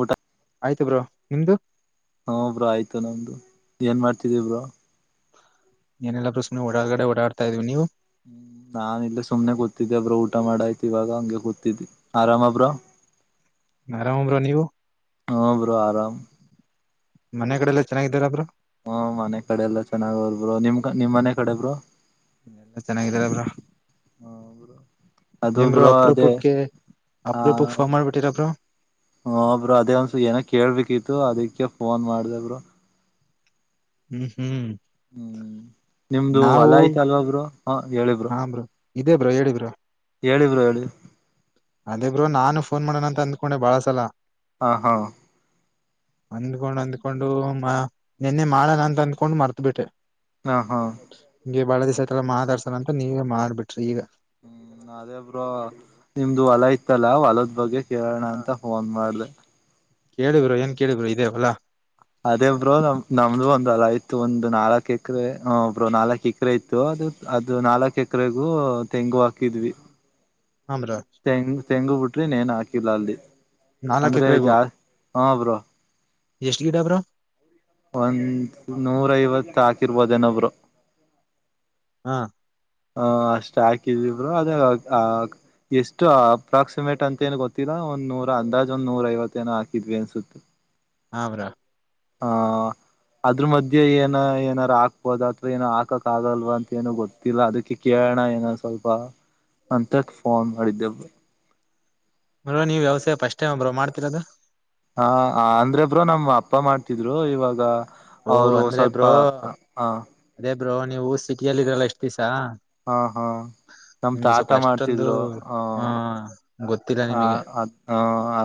ಊಟ ಆಯ್ತು ಬ್ರೋ ನಿಮ್ದು. ಹಾ ಬ್ರೊ ಆಯ್ತಾ ನಮ್ದು ಏನ್ ಮಾಡ್ತಿದೀ ಬ್ರೊ. ಏನೆಲ್ಲಾ ಬ್ರೋ ಸುಮ್ನೆ ಹೊಡಾಗಡೆ ಓಡಾಡ್ತಾ ಇದೀವಿ ನೀವು, ಹ್ಮ್ ನಾ ಇಲ್ಲೆ ಸುಮ್ನೆ ಕೂತಿದ್ದೆ ಬ್ರೋ ಊಟ ಮಾಡಾಯ್ತು ಇವಾಗ ಹಂಗೆ ಕೂತಿದ್ವಿ. ಆರಾಮ ಬ್ರೋ ನಾ ಆರಾಮ್ ಬ್ರೋ ನೀವು. ಹ್ಮ ಬ್ರೋ ಆರಾಮ್ ಮನೆ ಕಡೆ ಎಲ್ಲ ಚೆನ್ನಾಗಿದ್ದಾರ ಬ್ರೋ. ಹ್ಮ ಮನೆ ಕಡೆ ಎಲ್ಲಾ ಚೆನ್ನಾಗ ಅವ್ರ್ ಬ್ರೋ ನಿಮ್ ನಿಮ್ ಮನೆ ಕಡೆ ಬ್ರೋ ಎಲ್ಲ ಚೆನ್ನಾಗಿದಾರೆ ಬ್ರೋ. ಅದು ಬ್ರೋ ಅದೇ ಅಪರೂಪಕ್ಕೆ ಆ ಅಪರೂಪಕ್ ಫೋನ್ ಮಾಡ್ಬಿಟ್ಟಿರ ಬ್ರೋ. ಹ ಬ್ರೋ ಅದೇ ಒಂದಸ್ ಏನೋ ಕೇಳ್ಬೇಕಿತ್ತು ಅದಕ್ಕೆ ಫೋನ್ ಮಾಡ್ದೆ ಬ್ರೋ. ಹ್ಮ್ ಹ್ಮ್ ಹ್ಮ್ ನಿಮ್ದು ನಾವು ಹೊಲ ಆಯ್ತ ಅಲ್ವ ಬ್ರೊ ಹ ಹೇಳಿ ಬ್ರೋ. ಇದೇ ಬ್ರೋ ಹೇಳಿ ಬ್ರೊ ಹೇಳಿ ಬ್ರೋ ಹೇಳಿ. ಅದೇ ಬ್ರೋ ನಾನು ಫೋನ್ ಮಾಡೋಣಂತ ಅಂದ್ಕೊಂಡೆ ಬಾಳ ಸಲ ಹಾ ಹಾ ಅಂದ್ಕೊಂಡ್ ಅಂದ್ಕೊಂಡು ಮ ನಿನ್ನೆ ಮಾಡಣ ಅಂತ ಅಂದ್ಕೊಂಡು ಮರ್ತ ಬಿಟ್ಟೆ. ಹಾ ಹಾ ಈಗ ಬಳ ದಿವ್ಸ ಅಯ್ತಲ್ಲ ಮಾತಾಡ್ಸಣ ಅಂತ ನೀವೇ ಮಾಡ್ಬಿಟ್ರಿ ಈಗ. ಹ್ಮ್ ಅದೇ ಬ್ರೋ ನಿಮ್ದು ಹೊಲ ಇತ್ತಲ್ಲ ಹೊಲದ್ ಬಗ್ಗೆ ಕೇಳೋಣ ಅಂತ ಫೋನ್ ಮಾಡ್ ದೆ ಕೇಳಿ ಬ್ರೋ ಏನ್ ಕೇಳಿ ಬ್ರೋ ಇದೇ ಹೊಲ. ಅದೇ ಬ್ರೋ ನಮ ನಮ್ದು ಒಂದ್ ಹೊಲ ಇತ್ತು ಒಂದ್ ನಾಲ್ಕ್ ಎಕರೆ ಹ್ಮ್ ಬ್ರೋ ನಾಲಕ್ ಎಕರೆ ಇತ್ತು ಅದು ನಾಲಕ್ ಎಕರೆಗೂ ತೆಂಗು ಹಾಕಿದ್ವಿ. ಹಾ ಬ್ರೋ ತೆಂಗ್ ತೆಂಗು ಬಿಟ್ರಿ ಇನೇನ್ ಹಾಕಿಲ್ಲ ಅಲ್ಲಿ. ನಾಲ್ಕ್ ಅಂದ್ರೆ ಜಾ ಹ ಬ್ರೊ ಎಷ್ಟು ಗಿಡ ಬ್ರೋ ಒಂದ್ ನೂರ ಐವತ್ ಹಾಕಿರ್ಬೋದೇನೊ ಬ್ರೋ. ಹ ಹ ಅಷ್ಟ ಹಾಕಿದ್ವಿ ಬ್ರೋ ಅದು ಆ ಎಷ್ಟು ಅಪ್ರಾಕ್ಸಿಮೇಟ್ ಅಂತೇನ್ ಗೊತ್ತೀಲ್ಲ. ಒಂದ್ ನೂರ ಅಂದಾಜ್ ಒಂದ್ ನೂರೈವತ್ತೇನೋ ಹಾಕಿದ್ವಿ ಅನ್ಸುತ್. ಹಾ ಬ್ರೋ ಹಾ ಅದ್ರ ಮಧ್ಯೆ ಏನ ಏನಾರ ಹಾಕ್ಬೋದ ಅಥವಾ ಏನು ಹಾಕಕ್ ಆಗಲ್ವಾ ಅಂತ ಏನು ಗೊತ್ತಿಲ್ಲ ಅದುಕ್ಕೆ ಕೆ ಕಳಣ ಏನೋ ಸ್ವಲ್ಪ ಅಂತ ಫೋನ್ ಮಾಡಿದ್ದೆ ಬ್ರೋ. ಬ್ರೋ ನೀವ್ ವ್ಯವಸಾಯ ಪಸ್ಟ್ ಟೈಮಾ ಬ್ರೋ ಮಾಡ್ತಿರದು. ಹಾ ಅಂದ್ರೆ ಬ್ರೋ ನಮ್ಮ್ ಅಪ್ಪ ಮಾಡ್ತಿದ್ರು ಇವಾಗ ಓ ಅವರು ಅಂದ್ರೆ ಸ್ವಲ್ಪ ಬ್ರೋ ಹ ಹ ಅದೇ ಬ್ರೋ ನೀವು ಸಿಟಿಯ ಇರಲ್ಲ ಎಷ್ಟು ಾ ಹಾ ಹಾ ನಮ್ ನಿಮ್ಗೆ ತಾತ ಸ್ವಲ್ಪ ಅಷ್ಟೊಂದು ಮಾಡ್ತಿದ್ರು ಹಾ ಹ ಅದ್ ಹ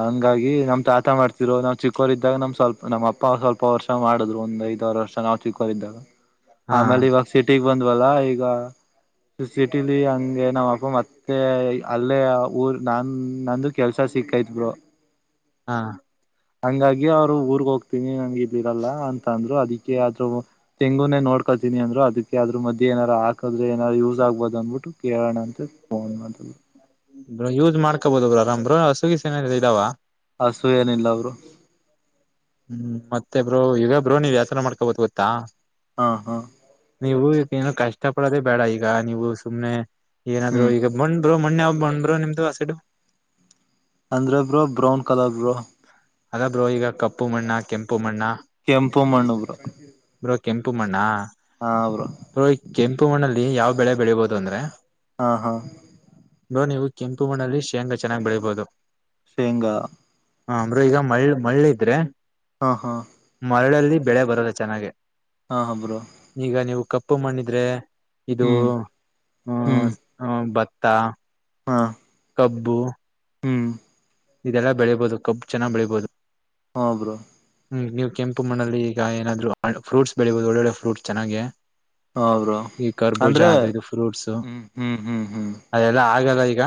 ಹಂಗಾಗಿ ನಮ್ ತಾತ ಮಾಡ್ ಇರೋ ನಾವ್ ಚಿಕ್ಕೋರಿದ್ದಾಗ ನಮ್ ಸ್ವಲ್ಪ ನಮ್ಮ ಅಪ್ಪ ಸ್ವಲ್ಪ ವರ್ಷ ಮಾಡಿದ್ರು ಒಂದ್ ಐದಾರ್ ವರ್ಷ ನಾವು ಚಿಕ್ಕೋರಿದ್ದಾಗ ಹಾ ಆಮೇಲೆ ಇವಾಗ ಸಿಟಿಗ್ ಬಂದ್ವಲ್ಲ ಈಗ ಸಿಟಿಲಿ ಹಂಗೆ ನಮ್ಮ್ ಅಪ್ಪ ಮತ್ತೆ ಅಲ್ಲೇ ಊರ್ ನಾ ಹ್ಮ್ ನಂದು ಕೆಲ್ಸ ಸಿಕ್ಕೈತ್ ಬ್ರೋ ಹಾ ಹಂಗಾಗಿ ಅವ್ರು ಊರ್ಗ್ ಹೋಗ್ತೀನಿ ಹಂಗ್ ಇದಿರಲ್ಲ ಅಂತ ಅಂದ್ರು ಅದುಕ್ಕೆ ಆದು ತೆಂಗುನೇ ನೋಡ್ ಕತಿನಿ ಅಂದ್ರು ಅದುಕ್ಕೆ ಅದ್ರು ಮದ್ಯೆ ಏನಾರ ಹಾಕದ್ರೆ ಏನಾರ ಯೂಸ್ ಆಗ್ಬೋದು ಅಂದ್ಬಿಟ್ಟು ಕೇಳಣಂತ ಫೋನ್ ಮಾಡಿದ್ವಿ. ಬ ಯೂಸ್ ಮಾಡ್ಕೋಬೋುದು ಬ್ರ ಆರಾಮ್್ರಸುಗಿ ನ ಇದಾವ ಹಸು ಏನಿಲ್ಲ ಅವರು ಹ್ಮ್ ಮತ್ತೆ ಬ್ರೋ ಈಗ ಬ್ರೋ ನೀವ್ ಯ್ಯಾಾಸನ ಮಾಡ್ಕೊಬೋದು ಗೊತ್ತಾ ಹಾ ಹಾ ನೀವು ಈಗ ಏನು ಕಷ್ಟ ಪಡೋದೆೇ ಬೇಡ ಈಗ ನೀವು ಸುಮ್ನೆ ಏನಾದ್ೂ ಹ್ಮ್ ಈಗ ೋ ಮಣ್ಣೆ ಹಬ್ಬ ಬಂದ್ ಬ್ರೋ ನಿಮ್ದುಾಸಿಡು ಅಂದ್ರೆ ಬ್ರೋ ಬ್ರೌನ್ ಕಲರ್ ಬ್ರೋ ಅದಬ್್ರರು ಈಗ ಕಪ್ಪು ಮಣ್ಣ ಕೆಂಪು ಮಣ್ಣ ಕೆಂಪು ಮಣ್ಣುಬ್ರು ಬ್ರೋ ಕೆಂಪು ಮಣ್ಣಾ ಬೋ ಕೆಂಪು ಮಣ್ಣಲ್ಲಿ ಯಾವ ಬೆಳೆ ಬೆಳಿಬಹದು ಅಂದ್ರೆ ಹಾ ಹಾ ಬ್ರೋ ನೀವು ಕೆಂಪು ಮಣ್ಣಲ್ಲಿ ಶೇಂಗಾ ಚೆನ್ನಾಗಿ್ ಬೆಳೀಬಹುದು ಶೇಂಗ ಹ ಅಂದರು ಈಗ ಮಳ್ಳ ಮಳ್ಳಿದ್ರೆ ಹಾ ಹಾ ಮರಳಲ್ಲಿ ಬೆಳೆ ಬರದ ಚೆನ್ನಾಗೆ ಹಾ ಹಾ ಬ್ರೋ ಈಗ ನೀವು ಕಪ್ಪು ಮಾಡಣಿದ್ರೆ ಇದು ಹ್ಮ್ ಹ ಹ್ಮ್ ಅ ಭತ್ತ ಹಾ ಕಬ್ಬು ಹ್ಮ್ ಇದೆಲ್ಲ ಬೆಳಿಬಹುದು ಕಬ್ ಚನ್ನ ಬೆಳಿಬಹುದು ಹಾ ಬ್ರೋ ಹ್ಮ್ ನೀವು ಕೆಂಪು ಮಣ್ಣಲ್ಲಿ ಈಗ ಏನಾದ್ರು ಫ್ರೂಟ್ಸ್ ಬೆಳಿಬಹುದು ಒಳ್ಳೊಳ್ಳೆ ಫ್ರೂಟ್ಸ್ ಚೆನ್ನೆ ಹ ಬ್ರೋ ಈ ಕರ್ಬೂಜ ಅಂದ್ರೆ ಅ ಇದು ಫ್ರೂಟ್ಸ ಹ್ಮ್ ಹ್ಮ್ ಹ್ಮ್ ಹ್ಮ್ ಅದೆಲ್ಲ ಆಗಲ್ಲ ಈಗ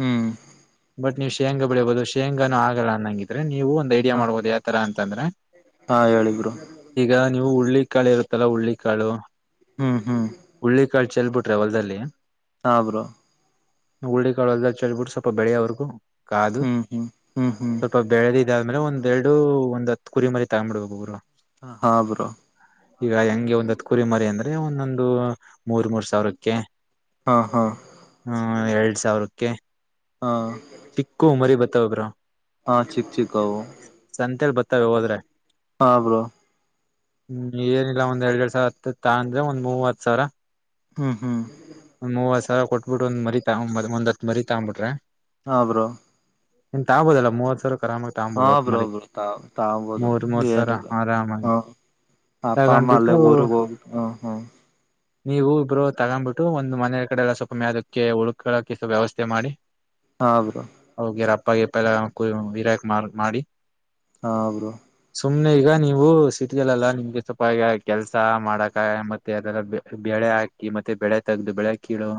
ಹ್ಮ್ ಬಟ್ ನೀವು್ ಶೇಂಗಾ ಬೆಳಿಬಹುದು ಶೇಂಗಾನು ಆಗಲ್ಲ ಅನ್ನಂಗಿದ್ರೆ ನೀವು ಒಂದ ಐಡಿಯಾ ಹ ಮಾಡ್ಬಹದು ಯಾವ ತರ ಅಂತಂದ್ರೆ ಹಾ ಹೇಳಿದ್ರು ಈಗ ನೀವು ಹುಳ್ಳಿಿಕಾಳು ಇರುತ್ತಲ್ಲಾ ಉುರುಳ್ಳಿಿಕಾಳು ಹ್ಮ್ ಹ್ಮ್ ಕಳ ಚೆಲ್ ಬಿಿಟ್ರೆ ಹೊಲ್ಲ್ಲಿ ಹಾ ಬ್ರೋ ಉುಳ್ಳಿ ಕಾಳ ಎಲ್ಲ ಚೆಳ್ ಬಿಿಟ್ಟ ಸ್ವಲ್ಪ ಬೆಳೆಯೋವರ್ಗೂ ಕಾದು ಹ್ಮ್ ಹ್ಮ್ ಹ್ಮ್ ಹ್ಮ್ ಸ್ವಲ್ಪ ಬೆಳೆದಿದ ಆಮೇಲೆ ಒಂದೆರಡು ಒಂದ್ ಹತ್ ಕುರಿ ಮರಿ ತಗ್ ಮಾಡ್ಡ್ಬೇಕು ರು ಹ ಹಾ ಬ್ರೋ ಈಗ ಹೆಂಗೆ ಒಂದ್ತ್ ಕುರಿ ಮರಿ ಅಂದ್ರೆ ಒಂದೊಂದು ಮೂರ್ ಮೂರ್ ಸಾವಿರಕ್ಕೆ ಹಾ ಹಾ ಹ್ಮ ಎರಡ್ ಸಾವಿರಕ್ಕೆ ಹಾ ಚಕ್ಕು ಮರಿ ಬತ್ತ ಬ್ರ ಹಾ ಚಕ್ ಚಕ್ ಹ ಸಂತೆಲ್ ಬರ್ತಾವ ಹೋದ್ರೆ ಹಾ ಬ್ರೋ ಹ್ಮ್ ಏನಿಲ್ಲ ಒಂದ್ ಎರಡ್ ಎರಡ್ ಸಾವಿರ ಹತ್ತತ್ತ ಅಂದ್ರೆ ಒಂದ್ ಮೂವತ್ ಸಾವರ ಹ್ಮ್ ಹ್ಮ್ ಒಂದ್ ಮೂವತ್ ಸಾವರ ಕೊಟ್ಬಿಟ್ಟು ಒಂದ ಮರಿ ತಗ ಒಂದ್ ಹತ್ರಿ ತಗ್ಬಿಟ್ರೆ ಹಾ ಬ್ರೋ ಎಂತ ಆಗಬೋುದಲ್ಲಾ ಮೂವತ್ ಸಾವಿರ ಹಾ ಬರಬರ ತಾವ ತಾವ ಬದು ಮೂರ್ ಮೂರ್ ಗನ ಸಾವಿರ ಆರಾಮಾಗಿ ಹಾ ಹಪ ಅಮ್ಮ ಅಲ್ಲೇ ತಗೊಂಡ್ಬಿಟ್ಟು ಗೋರು ಗೋ ಹ್ಮ ಹ್ಮ್ ನೀವು ಇಬ್ರು ತಗೊಂಡ್ಬಿಟ್ಟು ಒಂದ್ ಮನೆಯ ಕಡೆ ಎಲ್ಲ ಸ್ವಲ್ಪ ಮೇದಕ್ಕೆ ಉಳ್ಕಳಕ ಸ್ವಲ್ ವ್ಯವಸ್ಥೆ ಮಾಡಿ ಹಾ ಭ್ರೂ ಪ್ಪ ಪಲ್ಲ ವರಕ್ ಮಾರ್ ಮಾಡಿ ಹಾ ಬ್ರೋ ಸುಮ್ನೆ ಈಗ ನೀವು ಸಿಟಿಲ್ಲೆಲ್ಲಾ ನಿಮ್ಗೆ ಸ್ವಪ ಕೆಲ್ಸ ಮಾಡಕ ಮತ್ತೆ ಅದೆಲ್ಲ ಬೆ ಹಾಕಿ ಮತ್ತೆ ಬೆಳೆ ತೆಗೆಗ್ದು ಬೆಳೆ ಕೀಳು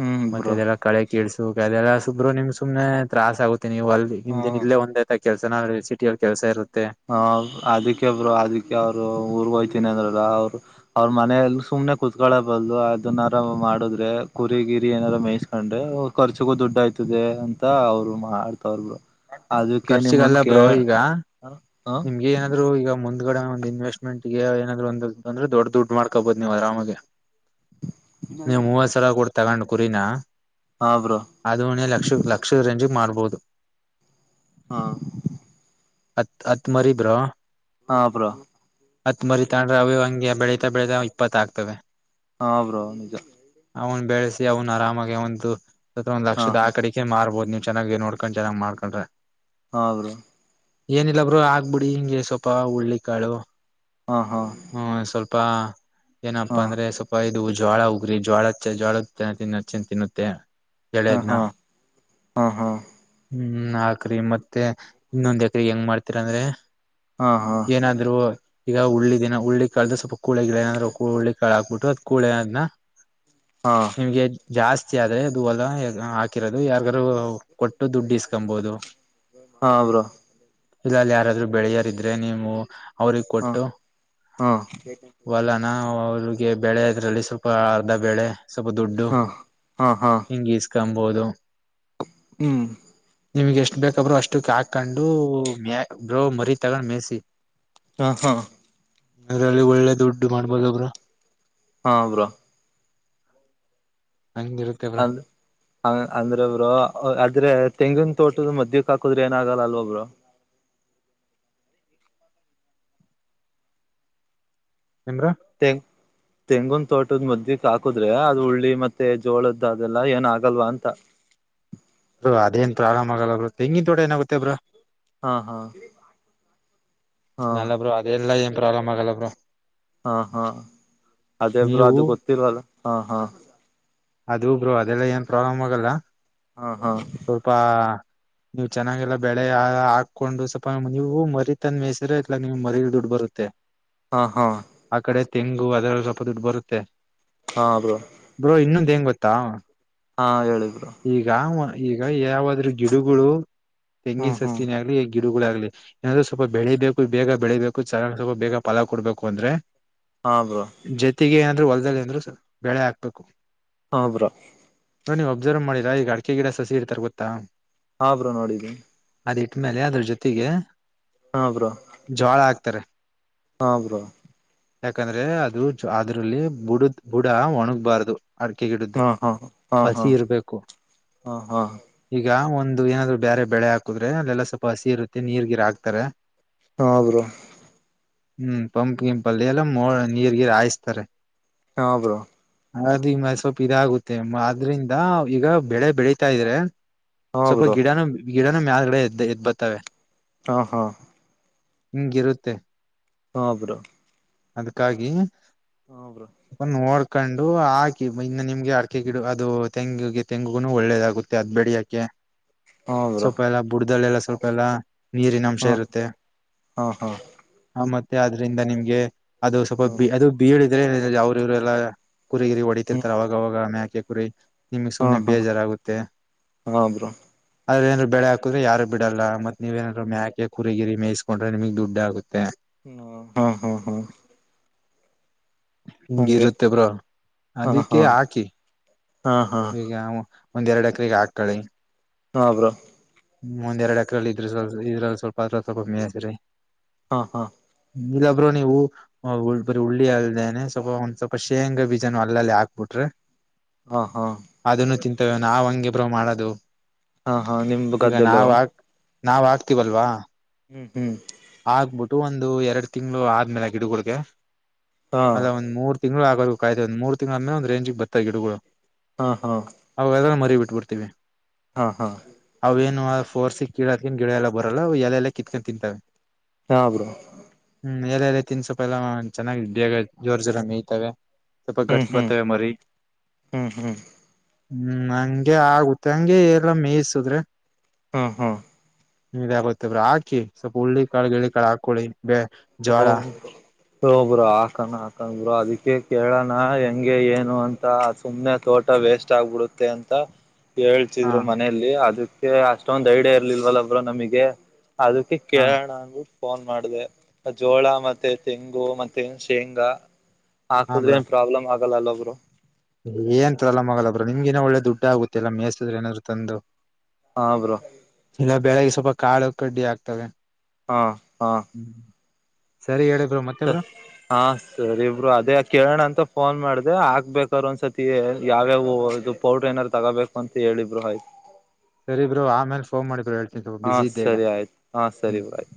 ಹ್ಮ್ ಮತ್ತೆ ಬ್ರೋ ಅದೆಲ್ಲಾ ಕಳೆ ಕಿಡಸು ಅದೆಲ್ಲ ಇಬ್ಬರು ನಿಮ್ಗೆ ಸು್ನೆ ತತ್ರಾಸ ಆಗುತ್ತೆ ನೀವು ಅಲ್ಲಿ ನಿಮ್ದನ್ ಹ್ಮ ಇಲ್ಲೇ ಒಂದೇ ಕೆಲಸನ ಸಿಟಿಯಲ್ಲಿ ಕೆಲಸ ಇರುತ್ತೆ ಹ ಅದಕ್ಕೆಬ್ರು ಅದಿಕ್ಕೆ ಅವ್ರು ಊರ್ಗ ಹಯ್ತೀನಿ ಅಂದ್ರಲ್ಲ ಅವ್ರು ಅವ್ರ ಮನಲ್ಲ ಸುಮ್ನೆ ಕುೂತ್ಕೊಳ್ಳಬಾರದು ಅದನಾರ ಮಾಡುದ್ರೆ ಕುರಿ ಗಿರಿ ಏನಾರ ಮೇಯಸ್ ಅಂದ್ರೆ ಖರ್ಚಗೂ ದುಡ್ ಆಯ್ತದೆ ಅಂತ ಅವರು ಮಾಡ್ತವ್ರಬರು ಅದಕ್ಕೆ ನಿಮಂದ ಖರ್ಚಿಗಲ್ಲ ಕ ಬ್ರೋ ಈಗ ನಿಮ್ಗೆ ಏನಾದ್ರು ಈಗ ಮುಂದ ಈಡ ಒಂದು ಇನ್ವೆಸ್ಟ್ಮೆಂಟ್ ಏನಾದರು ಒಂದು ಅಂದ್ರೆ ದೊಡ್ ದುಡ್ ಮಾಡ್ಕೋಬಹದು ನೀವು ಆರಾಮಾಗ ನೀವು್ ಮೂವತ್ ಸಾವರ ಕೂಡ ತಗೊಂಡ್ ಕುರಿನಾ ಹಾ ಬ್ರೋ ಅದುಣೆ ಲಕ್ಷದ ರೇಂಜಿಗೆ ಮಾಡ್ಬಹುದು ಹಾ ಹತ್ ಹತ್ ಮರೀಿದ್ರಾ ಹಾ ಭ್ರೊ ಹತ್ ಮರಿ ತಂಡ್ರ ಅವೇ ಹಂಗೆ ಬೆಳತಾ ಬೆಳತಾ ಇಪ್ಪತ್ತ ಆಗ್ತವೆ ಹ ಬ್ರೋ ನಿಜ ಅವನು ಬೆಳೆಸಿ ಅವನು ಆರಾಮಾಗಿ ಅವಂದು ಒಂದು ಹಾ ಲಕ್ಷದ ಹಾ ಆಕಡಿಕೆ ಮ್ಬೋದು ನೀ ಚೆನ್ನಾಗಿ ನೋಡ್ಕೊಂಡ್ ಚೆನ್ನಾಗಿ ಮಾಡ್ಕೊಂಡ್ರ ಹಾರು ಏನಿಲ್ಲ ಬ್ರು ಆಗ್ಬಿಡಿ ಹಿಂಗೆ ಸ್ವಪ ಉಳ್ಳಿಿಕಾಳು ಹಾ ಹಾ ಪ್ಪಾ ಏನಪ್ಪಾ ಹಾ ಅಂದ್ರೆ ಸ್ವಲ್ಪ ಇದು ಜ್ವಾಳ ಹಗ್ರಿ ಜೋಳಚ್ಚ ಜೋಳ ತಿಚ್ಚಿನ ತಿನ್ನುತ್ತೆ ಹಾ ಎಳೆದ್ನ ಹಾ ಹಾ ಹಾ ಹ್ಮ್ ಆಕ್ರಿ ಮತ್ತೆ ಇನ್ನೊಂದ್ ಎಕ್ರ ಹೆಂಗ್ ಮಾಡ್ತೀರ ಅಂದ್ರೆ ಹಾ ಹಾ ಏನಾದ್ರು ಈಗ ಹುಳ್ಳಿ ದಿನ ಹುಳ್ಳಿ ಕಾಳ್ದ ಸ್ವಲ್ಪ ಕೂಳೆ ಗಿಳ ನಂದ್ರರು ಹುಿ ಕಳ ಹಾಕ್ಬಿಟ್ಟು ಅ್ ಕಳೆ ಅದನ ಹಾ ನಿಮ್ಗೆ ಜಾಸ್ತಿ ಆದ್ರೆ ಅದು ಎಲ್ಲ ಹಾಕಿರೋದು ಯಾರ್ಗಾರೂ ಕೊಟ್ಟು ದುಡ್ಡು ಇಸ್ಕೊಬಹುದು ಹಾ ಬ್ರೋ ಇಲ್ಲ ಅಲ್ಲಿ ಯಾರಾದ್ರೂ ಬೆಳೆಯಾರಿದ್ರೆ ನೀವು ಅವ್ರಿಗೆ ಹಾ ಕೊಟ್ಟು ಹಾ ವಲನ ನಾ ಅವ್ರಿಗೆ ಬೆಳೆ ಇದದ್ರಲ್ಲಿ ಸ್ವಲ್ಪ ಅರ್ಧ ಬೆಳೆ ಸ್ವಲ್ಪ ದುಡ್ಡು ಹಾ ಹಾ ಹಾ ಹಿಂಗ ಇಸ್ಕೊಬಹುದು ಹ್ಮ್ ನಿಮ್ಗೆ ಎಷ್ಟ ಬೇಕಬ್ರೋ ಅಷ್ಟುಕ್ ಹಾಕೊಂಡು ಮ ಬ್ರೋ ಮರಿ ತಗೊಂಡ್ ಮೇಯಸಿ ಹಾ ಹಾ ಅ ಅಲ್ಲಿ ಒಳ್ಳೆ ದುಡ್ಡು ಮಾಡ್ಬದಬ್ರ ಹಾ ಹಬ್ರಾ ಹೌ ಹಂಗಿರುತ್ತೇವ್ರಾ ಹ ಅಂದ್ರ ಒಬ್ರು ಆದ್ರೆ ತೆಂಗಿನ ತೋಟದ ಮದಕ್ ಹಾಕುದ್ರ ಏನ ಆಾಗಲ್ಲ ಅಲ್ವೊಬ್ರು ನಿಮ್ರ ಂಗ ತೆಂಗುನ್ ತೋಟದ್ ಮುದ್ದಿಕ್ ಹಾಕುದ್ರೆ ಅದು ಉಳ್ಳಿ ಮತ್ತೆ ಜೋಳದ್ ಅದೆಲ್ಲ ಏನ ಆಗಲ್ವಾ ಅಂತ [inaudible] ಅದೇನ್ ಪ್ರಾರಾಮ ಆಗಲ್ಲ್ರ ತೆಂಗಿ ದೊಡ ಏನಾಗುತ್ತೇ ಬ್ರ ಹಾ ಹಾ ಹಾ ನಲ್ಲಬ್ರು ಅದೆಲ್ಲಾ ಏನ್ ಪ್ರಾಬ್ಲಮ್ ಆಗಲ್ಲಬ್ರರು ಹಾ ಹಾ ಅದೇಬ್ರು ನೀವು ಅದು ಗೊತ್ತಿಲ್ಲಲ್ಲ ಹಾ ಹಾ ಅದು ಬ್ರು ಅದೆಲ್ಲ ಏನ್ ಪ್ರಾಬ್ಲಮ್ ಆಗಲ್ಲ ಹಾ ಹಾ ಸ್ವಲ್ಪ ನೀವು್ ಚೆನ್ನಾಗೆಲ್ಲ ಬೆಳೆ ಹಾಕೊಂಡು ಸ್ವಲ್ಪ ನೀವು ಮರಿತಂದ ಮೇಸಿರ ಇತಲ ನೀವ್ ಮರಿ ದುಡ್ ಬರ್ ತ್ತ [unintelligible] ಹಾ ಹಾ ತೆಂಗು ಅದೆರಲ್ಲ ಸ್ವಲ್ಪ ದುಡ್ಡು ಬರುತ್ತೆ ಹಾ ಬ್ರೊ ಮಾತೇನು ಗೊತ್ತಾ ಹಾ ಹೇಳು ಬ್ರೊ ಈಗ ಈಗ ಯಾವಾದ್ರು ಗಿಡಗಳು ತೆಂಗಿನ ಹ್ಮ್ ಹ್ಮ್ ಸಸಿನೆ ಆಗ್ಲಿ ಗಿಡಗಳಾಗಗ್ಲಿ ಏನಂದ್ರೆ ಸ್ವಲ್ಪ ಬೆಳಿಬೇಕು ಬೇಗ ಬೆಳಿಬೇಕು ಚೆನ್ನಾಗಿ ಸ್ವಲ್ಪ ಬೇಗ ಫಲ ಕೊಡ್ಬೇಕು ಅಂದ್ರೆ ಹಾ ಬ್ರೋ ಜತೆಗೆ ಏನಂದ್ರು ಹೊಲದಲ್ಲಿ ಅಂದ್ರು ಸ್ವಲ್ಪ ಬೆಳೆ ಹಾಕ್ಬೇಕು. ಹಬ್ರೋ ನೀವು ಅಬ್ಸರ್ವ್ ಮಾಡರಾ ಈಗ ಅಡಿಕೆ ಗಿಡ ಸಸಿ ಇಡ್ತ ಗೊತ್ತಾ. ಹಾ ಬ್ರೋ ನೋಡಿದ್ದೀನಿ ಆಮೇಲೆ ಅದ್ರ ಜೊತೆಗೆ ಹಾ ಬ್ರ ತ್ತ್ರ ಹಾ ಬ್ರೋ ಯಾಕಂದ್ರೆ ಅದು ಅದ್ರಲ್ಲಿ ಬುಡದ ಬುಡ ಒಣಗ್ಬಾರದು ಅಡಕೆ ಗಿಡ್ದು ಹಾ ಹಾ ಹಾ ಹಾ ಹಸಿ ಇರ್ಬೇಕು ಹಾ ಹಾ ಈಗ ಒಂದು ಒಂದು ಏನಾದ್ರು ಬೇರೆ ಬೆಳೆ ಹಾಕಿದ್ರೆ ಅಲ್ಲೆಲ್ಲ ಸ್ವಲ್ಪ ಹಸಿ ಇರುತ್ತೆ ನೀರ್ ಗಿರ ಹಾಕ್ತಾರೆ. ಹ ಬ್ರೊ ಹ್ಮ್ ಪಂಪ್ ಗಂಪ ಅಲ್ಲಿ ಎಲ್ಲ ಮ ನೀರ್ಗೀರ್ ಹಾಯಿಸತಾರೆ. ಹಾ ಬ್ರೋ ಅದು ಈ ಮ ಸ್ವಲ್ಪ ಇದಾಗುತ್ತೆ ಆದ್ರಿಂದ ಈಗ ಬೆಳೆ ಬೆಳತಾ ಇದ್ರೆ ಹಾ ಸ್ವಲ್ಪ ಬ್ರೋ ಗಿಡನು ಗಿಡನು ಮ್ಯಾಲಗಡೆ ಎದ್ದ ಎದ್ ಬರ್ತವೆ. ಹ ಹಾ ಹ್ಮ್ ಹಿಂಗಿರುತ್ತೆ ಹಾ ಬ್ರೊ ಅದಕ್ಕಾಗಿ ಹ ಬ್ರೊ ಕಂಡು ಹಾ ಇನ್ನು ನಿಮ್ಗೆ ಅಡಕೆ ಗಿಡ ಅದು ತೆಂಗಿಗೆ ತೆಂಗುಗು ಒಳ್ಳೇದಾಗುತ್ತೆ ಅದ್ ಬೆೇಳಿಯಕೆ. ಹಾ ಬ್ರೋ ಸ್ವಲ್ಪ ಎಲ್ಲ ಬುಡ್ದಲ್ಲೆಲ್ಲ ಸ್ವಲ್ಪ ಎಲ್ಲ ನೀರಿನ ಅಂಶ ಹಾ ಇರುತ್ತೆ ಹಾ ಹಾ ಆ ಮತ್ತೆ ಅದ್ರಿಂದ ನಿಮ್ಗೆ ಅದು ಸ್ವಲ್ಪ ಬಿ ಹ್ಮ ಅದು ಬೀಳಿದ್ರೆ ಅವ್ರ ಇವ್ರಲ್ಲ ಕುರಿಗಿರಿ ಹೊಡತಿರ್ತಾರೆ ಅವವಾಗವಾಗೆ ಮೇಕೆ ಕುರಿ ನಿಮ್ಗ್ ಹಾ ಸುಮನೆ ಹಾ ಬೇಜಾರಾಗುತ್ತೆ. ಹಾ ಬ್ರೋ ಅಲ್ಲೆನಾದ್ರೂ ಬೆಳೆ ಹಾಕಿದ್ರ ಯಾರ ಬಿಡಲ್ಲ ಮತ್ತ್ ನೀವೇನಾದ್ರು ಮ್ಯಾಕೆ ಕುರಿಗಿ ಮೇಯಿಸಕೊಂಡ್ರೆನಿ ಮಗ್ ದುಡ್ಡಗುತ್ತೆ. ಹ್ಮ ಹ್ಮ್ ಹಾ್ ಹ್ಮ್ ಹಿಂಗಿರುತ್ತೆ ಬ್ರೋ ಹಾ ಅದಕ್ಕೆ ಹಾ ಹಾಕಿ ಹಾ ಹಾ ಈಗ ಒಂದ್ ಎರಡು ಎಕರೆಗೆ ಹಾಕಳಿ ಹಾ ಬ್ರೋ ಹ್ಮ್ ಒಂದೆರೆಡೆಕ್ರೆ ಇದ್ರ ಸ್ವಲ್ ಇದ್ರಲ್ಲಿ ಸ್ವಲ್ಪ ಅತ್ರ ಸ್ವಲ್ಪ ಮೇಸ್ರರಿ ಹಾ ಹಾ ಇಲ್ಲೊಬ್ರು ನೀವು ಬರೀ ಉುಳ್ಳಿ ಅಲ್ದೇನೆ ಸ್ವಲ್ಪ ಒಂದ್ ಸ್ವಲ್ಪ ಶೇಂಗಾ ಬೀಜನ ಅಲ್ಲಲ್ಲಿ ಹಾಕ್ಬಿಟ್ರೆ ಹಾ ಹಾ ಅದನ್ನು ನಾವ್ ಹಂಗಿಬ್ರೋ ಮಾಡೋದು ಹಾ ಹಾ ನಿಮ ಈಗ ಗದ್ದೆಲ್ಲ ನಾವ್ ಹಾಕ್ ನಾವ್ ಆಗ್ತಿವಲ್ವಾ ಹ್ಮ್ ಹ್ಮ್ ಆಗ್ಬಿಟ್ಟು ಒಂದು ಎರಡ್ ತಿಂಗ್ಳ ಆದ್ಮೇಲೆ ಗಿಡಗುಡ್ಗೆ ಹಾ ಅಲ್ಲ ಒಂದ ಮೂರು ತಿಂಗಳು ಆಗೋಬೇಕ ಕಾಯ್ತೆ ಒಂದ ಮೂರ್ ತಿಂಗ್ಗಳ ಆೆ ಒಂದ್ ರೇಂಜಿಗ್ ಬತ್ತತ ಗಿಡಗಳು ಹಾ ಹಾ ಬಿಬರ್ತೀವಿ ಹಾ ಹಾ ನ ೋರ್ಸಿ ಕಿಳದಕ ಗಿಡ ಎಲ್ಲ ಬರಲ್ಲ ಎಲ್ಲ ಎಲ್ಲ ಕತ್ಕೊಂಡು ತಿಂತವೆ ಹಾ ಬ್ರೋ ಹ್ಮ್ ಎಲ್ಲ ಎಲ್ಲ ತಿನ್ಸೊಪ ಎಲ್ಲ ಚೆನ್ನಾಗಾಗ ಜೋರ ಜೋರ ಮೇಯ್ತವೆ ತಪ್ಪ ಹ್ಮ್ ಗಟ್ಸ ಹ್ಮ್ ಬತ ಮರಿ ಹ್ಮ್ ಹ್ಮ್ ಹ್ಮ್ ಹಂಗೆ ಆಗುತ್ತೆ ಹಂಗೆ ಎಲ್ಲ ಮೇಯಸುದ್ರೆ ಹ್ಮ ಹಾ ಇ ಆಾಗತ್ತಬ್ರ ಹಾಕಿ ಸ್ವಲ್ಪ ಉರುಳ್ಳಿಿಕಾಳ ಗಿಳ ಕಾಳು ಹಾಕೊಳ್ಳಿ ಬ ಜ್ವರ ಹ ಬ್ರ ಹಾಕಣ ಹಾಕನ್ ಬ್ರ ಅದಕ್ಕೆ ಕೇಳಣ ಹೆಂಗೆ ಏನು ಅಂತ ಸುಮ್ನೆ ತೋ ೋಟ ವೇಸ್ಟ್ ಆಗ್ಬಿಡುತ್ತೆ ಅಂತ ಹಾ ಹೇಳ್ತಿದ್ರು ಮನೇೆಯಲ್ಲಿ ಅದಕ್ಕೆ ಅಷ್ಟೊಂದ್ ಐಡಿಯ ಇರ್ಲಿಲ್ವಲ್ಲಬ್್ರರು ನಮಗೆ ಅದಕ್ಕೆ ಹಾ ಕೇಳೋಣ ಅಂಗಬಿಟ್ಟ ಫೋನ್ ಮಾಡ್ದ ಜೋಳ ಮತ್ತೆ ತೆಂಗು ಮತ್ತೆ ಶೇಂಗಾ ಹಾಕುದ್ರೆ ಪ್ರಾಬ್ಲಮ್ ಆಗ ಲ್ಲಲ್ಲೋಗ್ರ ಏಂತರಲ್ಲ ಮೊಗಳಬ್್ರ ನಿಮ್ಗೇನ ಒಳ್ಳೆ ದುಡ್ಡು ಆಗುತ್ತೆ ಇಲ್ಲ ಮೇಯಸಿದ್ರೆ ನಾದರು ತಂದು ಹಾ ಬ್ರೋ ಇಲ್ಲ ಬೆಳಗ್ಗೆ ಸ್ವಲ್ಪ ಕಾಳು ಕಡ್ಡಿ ಆಗ್ತವೆ ಹಾ ಹಾ ಹ್ಮ್ ಸರಿ ಎಡ ಹಾ ಸರಿ ಇಬ್ರು ಅದೇ ಕೇಳೋಣ ಅಂತ ಫೋನ್ ಮಾಡ್ದ ಅದೇ ಹಾಕ್ಬೇಕ್ರ ಒಂದ್ತಿ ಯಾವ್ಯಾವ ಇದು ಪೌಡ್ರ ಏನಾದಾರ ತಗೋಬೇಕು ಅಂತ ಹೇಳಿದ್ರು ಆಯ್ತು ಸರಿಬ್ರರು ಆಮೇಲ್ ಫೋನ್ ಮಾಡಿದ್ರರು ಹೇಳ್ತೀನಿ ಬಿಸಿ ಹಾಂ ಇದ್ದೆ ಈಗ ಸರಿ ಆಯ್ತು ಹಾಂ ಸರಿ ಹ್ಮ್ ಬಾಯ್